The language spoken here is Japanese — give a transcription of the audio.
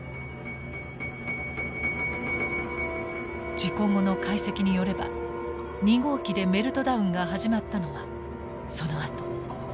事故後の解析によれば２号機でメルトダウンが始まったのはそのあと午後９時過ぎ。